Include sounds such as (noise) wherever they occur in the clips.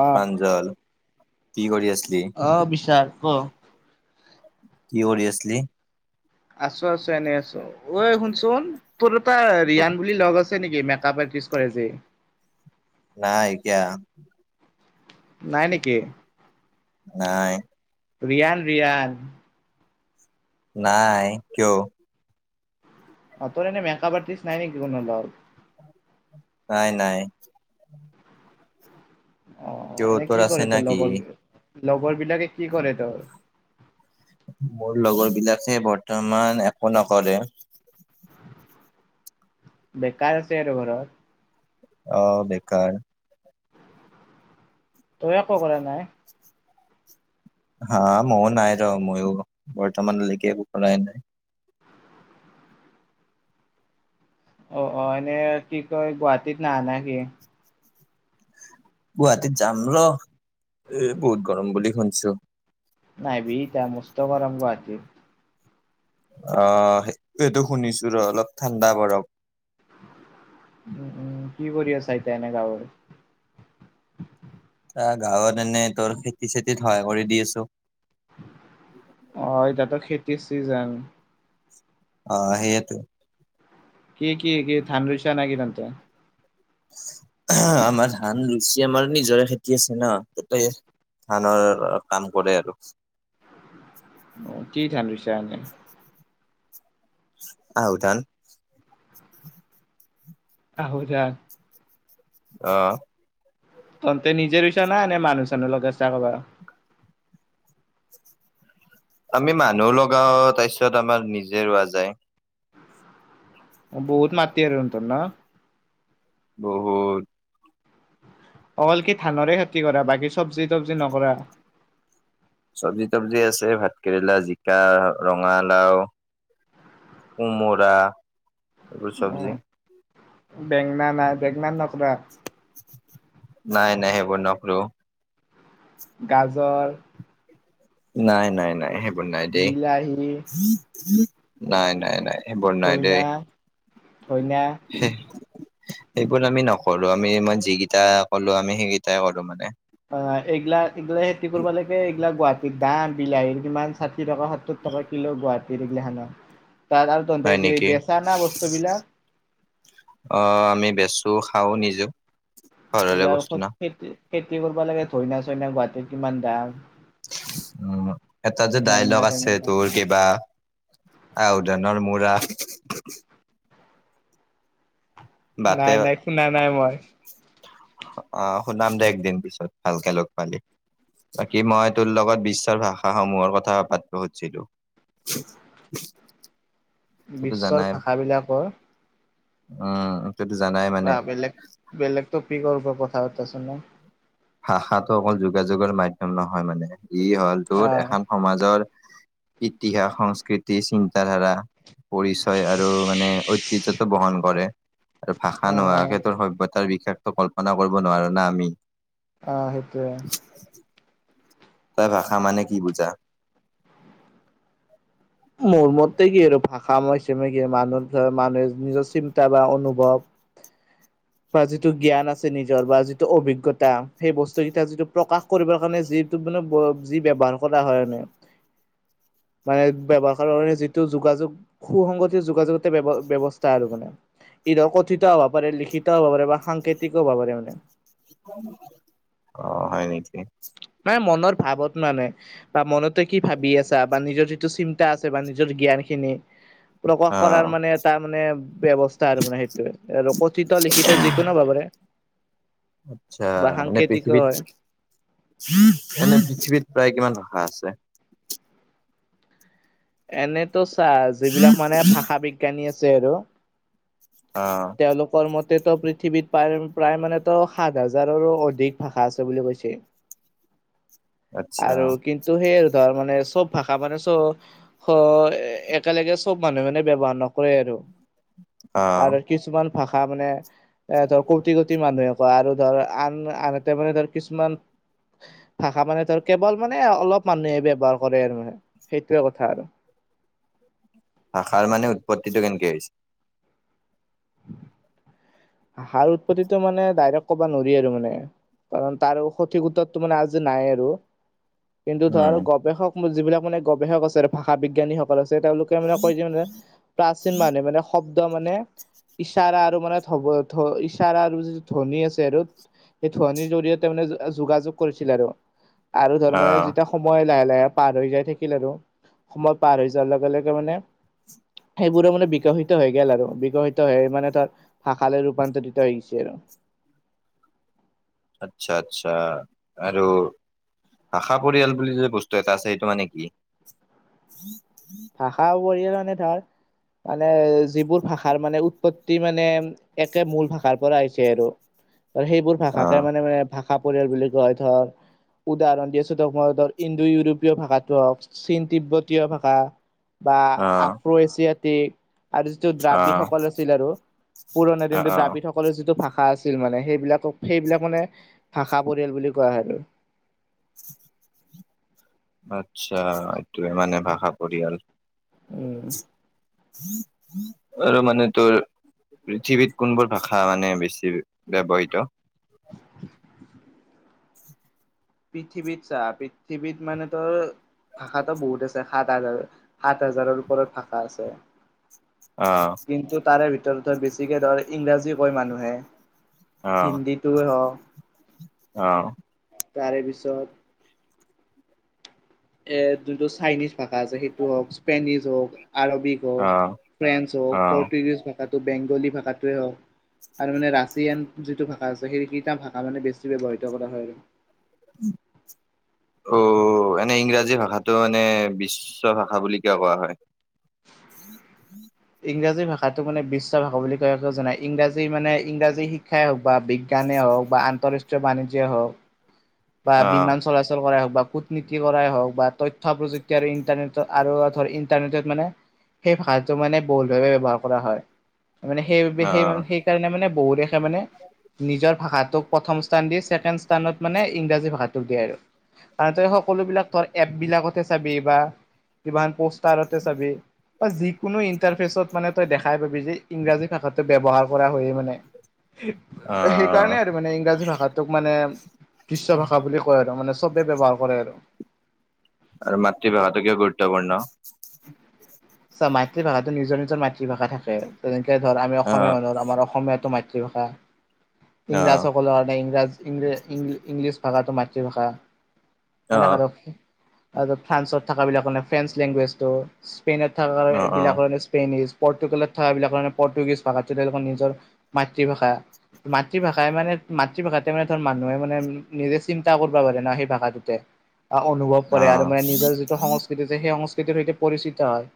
অ', কি কৰি আছিলি? অ' বিশাল ক! কি কৰি আছিলি? আছোঁ আছোঁ, এনে আছোঁ। ঐ শুনচোন, তোৰ এটা ৰিয়ান বুলি লগ আছে। নেকি? মেকআপ আৰ্টিষ্ট কৰে যে। নাই, কিয়? নাই নেকি? নাই। ৰিয়ান, ৰিয়ান। নাই কিয়? অ', তোৰ এনে মেকআপ আৰ্টিষ্ট নাই নেকি? কোনো লগৰ। নাই নাই। অ', কিয় এনে কি আছে কৰে তোৰ নেকি? লগৰবোৰে? লগৰ বিলাকে কি কৰে তোৰ? মোৰ লগৰ বিলাকে বৰ্তমান একো নকৰে। বেকাৰ আছে আৰু ঘৰত। অ', বেকাৰ। তই একো কৰা নাই? হা মোৰ নাই ৰ! মইও বৰ্তমান লৈকে একো কৰাই নাই? অ'অ', এনে কি কয়। গুৱাহাটীত নাহা নিকি? গুৱাহাটীত যাম ৰ, এ বহুত গৰম বুলি শুনিছোঁ। নাহিবি এতিয়া, মস্ত গৰম গুৱাহাটীত। অ', সেইটোৱেইটো শুনিছো ৰ, অলপ ঠাণ্ডা পৰক। উম্, উম্, কি কৰি আছা এতিয়া, এনে গাঁৱৰ? অ', গাঁৱত এনে তোৰ খেতি চেতিত সহায় কৰি দি আছোঁ। অ', এতিয়াতো খেতিৰ চিজন। অ', সেইয়েটো। কি কি কি? ধান ৰুইচা নাকি তাতে? আমাৰ ধান লুচি আমাৰ নিজৰে খেতি আছে ন তাতে আনৰ কাম কৰে আৰু। অ', কি ধান ৰুইছা এনে? আহুধান। আহুধান। অ'। তন্ততে নিজে ৰুইচা নাই নে মানুহ চানো লগাই চা কৰবাৰ? আমি মানুহ লগাও তাৰ পিছত আমাৰ নিজে ৰোৱা যায়। বহুত মাতি আৰু (unintelligible) ন? বহুত। অকল কি ধানৰে খেতি কৰা, বাকী চব্জি তবজি নকৰা? চব্জি তবজি আছে, ভাত কেৰেলা, জিকা, ৰঙালাও। কোমোৰা। এইবোৰ চব্জি অ', বেংনা নাই, বেঙেনা নকৰা। নাই নাই সেইবোৰ নকৰো। গাজৰ। নাই নাই নাই সেইবোৰ নাই দেই। বিলাহী নাই নাই নাই। এইবোৰ নাই দেই। ধইনা ধইনা সেইবোৰ আমি নকৰো, আমি মই যিকেইটাই কলো আমি সেইকেইটাই কৰো মানে। অ', এইগিলা এইগিলা খেতি কৰিব লাকে এইগিলা গুৱাহাটীত দাম বিলাহীৰ কিমান ষাঠি টকা সত্তোৰ টকা কিলো গুৱাহাটী (unintelligible) তাত আৰু হয় তাতে নেকি বেচা না বস্তুবিলাক। অ', আমি বেচো খাও নিজেও ঘৰৰে এইবিলাক বস্তু ন খেতি-খেতি কৰিব লাগে ধইনা চইনা গুৱাহাটীত কিমান দাম। উ, এটা যে বেঙনা ডাইলগ আছে চেঙনা দাম তোৰ কিবা আওঁধনৰ মূৰা বাটে নাই নাই শুনা নাই মই। আহ শুনাম দে একদিন পিছত ভালকে লগ পালি। বাকী মই তোৰ লগত বিশ্বৰ ভাষাসমূহৰ কথা পাতব সুধিছিলো। (unintelligible) তইতো বিশ্বৰ জানাই ভাষাবিলাকৰ উম। (unintelligible) জানাই। মানে বা বেলেগ বেলেগ টোপিকৰ পৰা কথা পতা চোন (unintelligible) ভাষাটো অকল যোগাযোগৰ মাধ্যযম নহয় মানে, ই হ'ল তোৰ আহ এখন সমাজৰ ইতিহাস, সংস্কৃতি, চিন্তা ধাৰা পৰিচয় আৰু মানে ঐতিহ্যটো বহন কৰে আৰু ভাষা অ নোহোৱাকে ত সভ্যতা তাৰ বিশেষতো কল্পনা কৰিব নোৱাৰো না আমি। অ', সেইটোৱে। (inaudible) তই ভাষা মানে কি বুজা? মোৰ মতে কি আৰু ভাষা ম কি মানুহ মানুহে নিজৰ চিন্তা বা অনুভৱ (inaudible) বা যিটো জ্ঞান আছে নিজৰ বা যিটো অভিজ্ঞতা সেই বস্তুকেইটা যিটো প্ৰকাশ কৰিবৰ কাৰণে যিটো মানে (unintelligible) যি ব্যৱহাৰ কৰা হয় মানে। (unintelligible) (inaudible) (unintelligible) যিটো যোগাযোগ সুসংগতি যোগাযোগতে ব্যৱ-ব্যৱস্থা আৰু মানে। (unintelligible) কথিত হ'ব পাৰে, লিখিত হ'ব পাৰে বা সাংকেতিক হ'ব পাৰে মানে। অ, হয় নেকি? (unintelligible) মানে মনৰ ভাৱত মানে বা মনতে কি ভাবি আছা বা নিজৰ যিটো চিন (inaudible) আছে বা নিজৰ জ্ঞান খিনি প্ৰকাশ আহ কৰাৰ মানে তাৰ মানে ব্যৱস্থা আৰু মানে সেইটোয়ে আৰু কথিত, লিখিত যিকোনো হ'ব পাৰে। আচ্ছা বা মানে সাংকেতিকো হয় পৃথিৱীত এনে পৃথিৱীত প্ৰায় কিমান ভাষা আছে? এনেতো ছা যিবিলাক মানে ভাষা বিজ্ঞানী আছে আৰু। অ,। তেওঁলোকৰ মতেতো পৃথিৱীত প্ৰায়-প্ৰায় মানেতো সাত হাজাৰৰো অধিক ভাষা আছে বুলি কৈছে। (unintelligible) আৰু কিন্তু সেইয়ে আৰু ধৰ মানে চব ভাষা মানে চব হয়, একেলগে চব মানুহে মানে ব্যৱহাৰ নকৰে আৰু আহ (unintelligible) কিছুমান ভাষা মানে এ ধৰ কোটি কোটি মানুহে কয় আৰু ধৰ আন- আনহাতে মানে ধৰ কিছুমান ভাষা মানে (inaudible) কেৱল মানে অলপ মানুহে ব্যৱহাৰ কৰে আৰু মানে সেইটোয়ে কথা আৰু। ভাষাৰ মানে উৎপত্তিটো কেনেকে হৈছে? ভাষাৰ উৎপত্তিটো মানে ডাইৰেক্ট‌ ক'বা নোৱাৰি আৰু মানে। কাৰণ তাৰ সঠিক উত্তৰটো মানে আজি নাই আৰু। কিন্তু উম ধৰ গৱেষক যিবিলাক মানে গৱেষক আছে ভাষা বিজ্ঞানীসকলৰ আছে তেওঁলোক (inaudible) মানে কৈ যে মানে প্ৰাচীন মানে মানে শব্দ মানে ইশাৰা আৰু মানে (unintelligible) ইশাৰা আৰু যিটো ধ্বনি আছে আৰু। সেই ধ্বনিৰ জৰিয়তে মানে (unintelligible) আ, যোগাযোগ কৰিছিল আৰু আৰু ধৰ মানে আহ যেতিয়া সময় লাহে লাহে পাৰ হৈ যাই থাকিল আৰু সময় পাৰ হৈ যোৱাৰ লগে লগে মানে। সেইবোৰো মানে বিকাশিত হৈ গ'ল আৰু বিকাশিত হৈ মানে তাৰ ভাষা লৈ ৰূপান্তৰিত হৈ গৈছে আৰু। আচ্ছা আচ্ছা আৰু ভাষা পৰিয়াল বুলি যে বস্তু এটা আছে সেইটো মানে কি? ভাষা পৰিয়াল মানে ধৰ মানে যিবোৰ ভাষাৰ মানে উৎপত্তি মানে একে মূল ভাষাৰ পৰা আহিছে আৰু‌ আৰু সেইবোৰ ভাষাকে আহ মানে-মানে ভাষা পৰিয়াল বুলি কোৱা হয় ধৰ উদাহৰণ দি আছো তোক মই ধৰ ইণ্ডো ইউৰোপীয় ভাষাটো হওঁক চীন তিব্বতীয় ভাষা। বা আহ আফ্ৰ এছিয়া টি। আৰু যিটো আহ দ্ৰাবিডসকল আছিল আৰু পুৰাণা আহ (unintelligible) আহ দ্ৰাবিডসকল সকলো যিটো ভাষা আছিল মানে সেইবিলাকক সেইবিলাক মানে ভাষা পৰিয়াল বুলি কোৱা হয় আৰু। আচ্ছা এইটোৱে মানে ভাষা পৰিয়াল। উম আৰু মানে (inaudible) পৃথিৱীত কোনবোৰ ভাষা মানে বেছি ব্যৱহৃত? পৃথিৱীত ছা পৃথিৱীত মানে (inaudible) ভাষাতো বহুত আছে সাত হাজাৰ সাত হাজাৰৰ ওপৰত ভাষা আছে। আ। কিন্তু তাৰে ভিতৰত বেছিকৈ ধৰ ইংৰাজী কৈ মানুহে। আহ হিন্দীটোৱে হওক। আহ তাৰে পিছত এ যোনটো চাইনিজ ভাষা আছে, সেইটো হওক, স্পেনিছ হওক, আৰবিক হওক, আহ ফ্ৰেঞ্চ হওক, আহ পৰ্টুগিজ ভাষাটো, বেংগলী ভাষাটোৱে হওক আৰু মানে ৰাছিয়ান যিটো ভাষা আছে, সেইকেইটা ভাষা মানে বেছি ব্যৱহৃত কৰা হয় আৰু। উম। অ' এনে ইংৰাজী ভাষাটো মানে বিশ্ব ভাষা বুলি কিয় কোৱা হয়? ইংৰাজী ভাষাটো মানে বিশ্ব ভাষা বুলি কয় জানা, ইংৰাজী মানে ইংৰাজী শিক্ষাই হওক বা বি বিজ্ঞানই হওক বা আন্তঃৰাষ্ট্ৰীয় বাণিজ্যই হওক বা অ' বিমান চলাচল কৰাই হওক বা কূট কূট-নীতি কৰাই হওক বা তথ্য প্ৰযুক্তি আৰু ইন্টাৰনেট আৰু ধৰ ইন্টাৰনেটত মানে সেই ভাষটো মানে বহল ভাৱে ব্যৱহাৰ কৰা হয়, মানে সেইবাবে সেই-সেই অ' সেইকাৰণে মানে বহু দেশে মানে নিজৰ ভাষাটোক প্ৰথম স্থান দি, ছেকেণ্ড স্থানত মানে ইংৰাজী ভাষাটোক দিয়ে আৰু। আৰু তই সকলোবিলাক ধৰ, এপ বিলাকতে চাবি বা কিমান পষ্টাৰতে চাবি বা যিকোনো ইণ্টাৰফেচত মানে তই দেখাই পাবি যে, ইংৰাজী ভাষাটো ব্যৱহাৰ কৰা হৈয়ে মানে। অ' সেইকাৰণে আৰু মানে ইংৰাজী ভাষাটোক মানে বিশ্ব ভাষা বুলি কোৱা কয় আৰু মানে চবেই ব্যৱহাৰ কৰে আৰু। আৰু মাতৃভাষাটো কিয় গুৰুত্বপূৰ্ণ? চা, মাতৃ ভাষাটো নিজৰ নিজৰ মাতৃভাষা থাকে, তেনেকে ধৰ আমি অসমীয়া অ' মানুহৰ, আমাৰ অসমীয়াটো মাতৃ তৃভাষা, ইংৰাজ অ' সকলৰ কাৰণে ইংৰাজী ইংৰাজ-ইংলি-ইংলিছ ভাষাটো মাতৃভাষা, হেনেকে অ' ধৰ আৰু ফ্ৰান্সত থকা বিলাকে ফ্ৰেঞ্চ লেংগুৱেজটো, স্পেইনত থকাৰ কাৰণে অ' অ' এইবিলাকৰ স্পেইন‌ উচ পৰ্টোগুলত থকা বিলাকৰে পৰ্টুগীজ ভাষা তেওঁলোকৰ নিজৰ মাতৃভাষা। মাতৃভাষাই মানে, মাতৃভাষাতে মানে ধৰ মানুহে মানে নিজে চিন্তা কৰিবা পাৰে ন, সেই ভাষাটোতে। অনুভৱ কৰে। আৰু অ' মানে নিজৰ যিটো সংস্কৃতি যে, সেই সংস্কৃতিৰ সৈতে পৰিচিত হয়।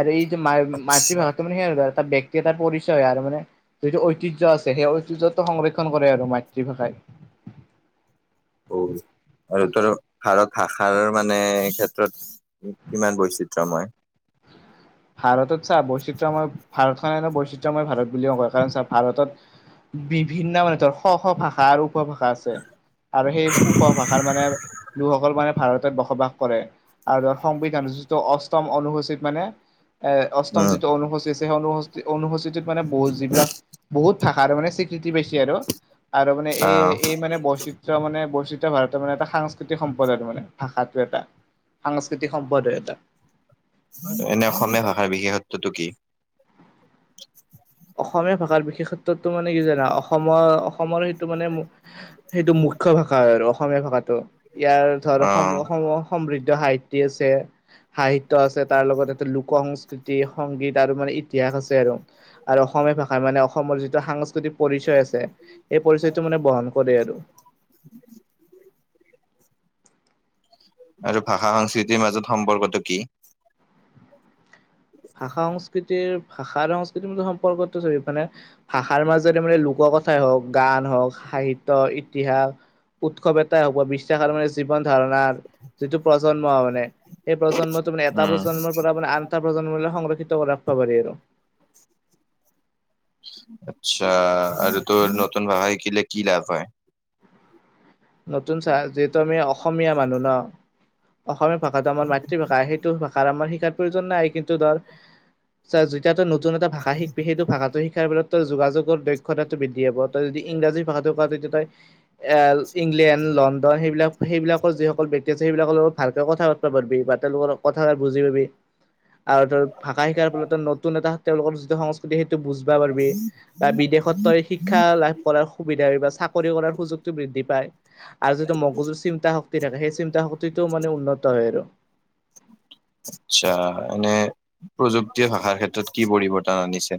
আৰু এই যে আচ্ছা মা-মাতৃভাষাটো মানে সেই আৰু এটা, ব্যাক্তি এটাৰ পৰিচয় আৰু মানে যিটো ঐতিহ্য আছে, সেই ঐতিহ্যটো সংৰক্ষণ কৰে আৰু মাতৃভাষাই। অ' আৰু উত্তৰ ভাৰত ভাষাৰ মানে ক্ষেত্ৰত কিমান বৈচিত্ৰ মই। ভাৰতত ছাৰ বৈচিত্ৰ্যময় ভাৰত খনেটো বৈচিত্ৰ্যময় ভাৰত বুলিওঁ কয়, কাৰণ ছাৰ ভাৰতত বিভিন্ন মানে ধৰ শ, শ ভাষা আৰু উপভাষা আছে। আৰু সেই উপভাষাৰ মানে লোকসকল মানে ভাৰতত বসবাস কৰে। আৰু সংবিধান যিটো অষ্টম অনুসূচিত মানে এ অষ্টম উম, যিটো অনুসূচী আছে, সেই অনুস-অনুসূচীটোত মানে বহুত যিবিলাক বহুত ভাষাৰে মানে স্বী কৃতি পাইছে আৰু, আৰু মানে এই, অ' এই মানে বৈচিত্ৰ ত্ৰ্য মানে বৈচিত্ৰ্য ভাৰতৰ মানে এটা সাংস্কৃতিক সম্পদ আৰু মানে ভাষাটো এটা। সাংস্কৃতিক সম্পদ হয় এটা। এনে অসমীয়া ভাষাৰ বিশেষত্বটো কি? অসমীয়া ভাষাৰ বিশেষত্বো মানে কি জানা, অসমৰ অসমৰ সেইটো মানে মু সেইটো মুখ্য ভাষা হয় আৰু‌ অসমীয়া ভাষাটো, ইয়াৰ ধৰ অ' সম-অসম মৰ সমৃদ্ধ সাহিত্যিক আছে। সাহিত্য আছে, তাৰ লগত এ লোক সংস্কৃতি, সংগীত আৰু মানে ইতিহাস আছে আৰু। আৰু অসমীয়াৰ ভাষা মানে, অসমৰ যিটো সাংস্কৃতিক পৰিচয় আছে, সেই পৰিচয়টো মানে বহন কৰে আৰু। (unintelligible) আৰু ভাষা সংস্কৃতিৰ মাজত সম্পৰ্কটো কি ভাষা সংস্কৃতিৰ ভাষা আৰু সংস্কৃতিৰ ম সম্পৰ্কতটো মানে ভাষাৰ মাজৰে মানে লোক কথাই হওঁক গান হওক সাহিত্য ইতিহাস উৎসৱ এটাই হওক বা বিশ্বাস আৰু মানে জীৱন ধাৰণাৰ যিটো প্ৰজন্ম মানে সেই প্ৰজন্মটো মানে এটা উম, প্ৰজন্মৰ পৰা মানে আনটা প্ৰজন্মলৈ সংৰক্ষিত কৰি ৰাখবা পাৰি আৰু আচ্ছা আৰু তোৰ নতুন ভাষা শিকিলে কি লাভ হয়! নতুন চা যিহেতু আমি অসমীয়া মানুহ ন অসমীয়া ভাষাটো আমাৰ মাতৃভাষা সেইটো আমাৰ শিকাৰ প্ৰয়োজন নাই কিন্তু ধৰ যেতিয়াতো নতুন এটা ভাষা শিকবি সেইটো ভাষাটো শিকাৰ ফলত তই যোগাযোগৰ দক্ষতাটো বৃদ্ধি হ'ব! তই যদি ইংৰাজী ভাষাটো ক তেতিয়া তই এল ইংলেণ্ড লণ্ডন সেইবিলাক সেইবিলাকৰ যিসকল ব্যক্তি আছে, সেইবিলাকৰ লগত ভালকে কথা পাতবা পাৰবি বা তেওঁলোকৰ কথা বুজি পাবি! আৰু ধৰ ভাষা শিকাৰ ফলত নতুন এটা তেওঁলোকৰ যিটো সংস্ সেইটো বুজবা পাৰবি বা বিদেশত তই শিক্ষা লাভ কৰাৰ সুবিধা হয় বা চাকৰি কৰাৰ সুযোগটো বৃদ্ধি প্ৰায় আৰু যিটো মগজুৰ চিন্তা শক্তি থাকে, সেই চিন্তা শক্তিটো মানে উন্নত হয় আৰু আচ্ছা, এনে প্ৰযুক্তিয়ে ভাষাৰ ক্ষেত্ৰত কি পৰিৱৰ্তন আনিছে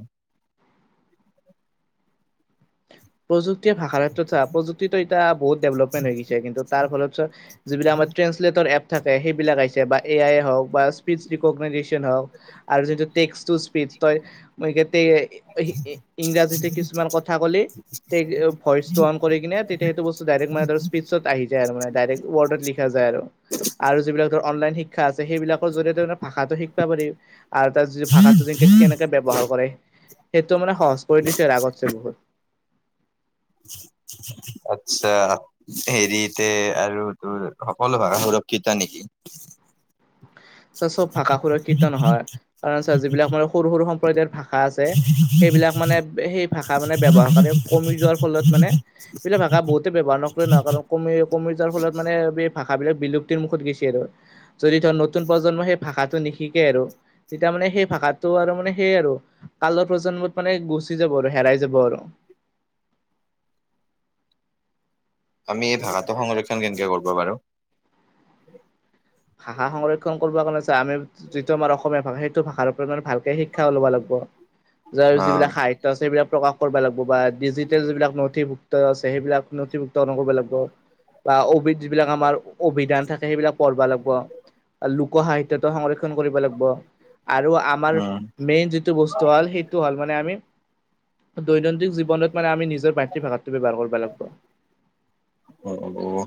প্ৰযুক্তিৰ ভাষাৰ ক্ষেত্ৰত চা প্ৰযুক্তিটো এতিয়া বহুত ডেভলপমেট হৈ গৈছে কিন্তু তাৰ ফলত চ যিবিলাক আমাৰ ট্ৰেঞ্চলেটৰ এপ থাকে, সেইবিলাক আহিছে বা এ আইয়ে হওক বা স্পীচ্ ৰিকগমেৰিচন হওক আৰু যিটো টেক টু স্পীচ্ তই এতেই ই ইংৰাজীতে কিছুমান কথা ক'লি তে ভইচ টো অন কৰি কিনে তেতিয়া সেইটো বস্তু ডাইৰেক্ট মানে ধৰ স্পিচত আহি যায় আৰু মানে ডাইৰেক্ট ৱৰ্ডত লিখ খা, যায় আৰু যিবিলাক ধৰ অনলাইন শি ক্ষা, আছে সেইবিলাকৰ জৰিয়তে মানে ভাষাটো শিকবা পাৰি আৰু তাৰ যি ভাষাটো যে কেনেকে ব্যৱহাৰ কৰে, সেইটো মানে সহজ কৰি দিছে আৰু আগতছে বহুত আচ্ছা হেৰিতে আৰু তোৰ সকলো ভাষা সুৰক্ষিত নিকি চা, চব ভাষা সুৰক্ষিত নহয়, কাৰণ চা, যিবিলাক মানে সৰু, সৰু সম্প্ৰদায়ৰ ভা ষা, আছে সেইবিলাক মানে সেই ভাষা মানে ব্যৱহাৰ কাৰে কমি যোৱাৰ ফলত মানে এইবিলা ভাষা বহুতে ব্যৱহাৰ নকৰিলে না কাৰণ কমে কমি যোৱাৰ ফলত মানে এই ভাষাবিলাক বিলুপ্তিৰ মুখত গেছি আৰু যদি নতুন প্ৰজন্মই সেই ভাষাটো নিশিকে আৰু তেতিয়া মানে সেই ভাষাটো আৰু মানে সেই আৰু কালৰ প্ৰজন্মত মানে গুচি যাব আৰু হেৰাই যাব আৰু আমি এই ভাষাটো সংৰক্ষণ কেনকে কৰব পাৰোঁ! ভাষা সংৰক্ষণ কৰিবৰ কাৰণে চা, আমি যিটো আমাৰ অসমীয়া ভাষা সেইটো ভাষাৰ ওপৰত মানে ভাল কে, শিক্ষাও ল'বা লাগব! যাৰ অ যিবিলাক সাহিত্য আছে সেইবিলাক প্ৰকাশ কৰবা লাগব বা ডিজিটেল যিবিলাক নথিভুক্ত আছে সেইবিলাক নথিভু ক্ত, কৰবা লাগব বা অভিধ যিবিলাক আমাৰ অভিধান থাকে, সেইবিলাক পঢ়বা লাগ লোকসাহিত্যটো সংৰক্ষণ কৰিব লাগব আৰু আমাৰ মেইন যিটো বস্ ত্তু, হ'ল সেইটো হল মানে আমি দৈনন্দিন জীৱনত মানে আমি নিজৰ মাতৃভাষাটো ব্যৱহাৰ কৰবা লাগব! অ', ব অ